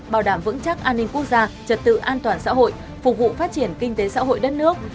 bảo đảm vững chắc an ninh quốc gia trật tự an toàn xã hội phục vụ phát triển kinh tế xã hội đất nước